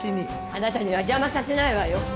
あなたには邪魔させないわよ。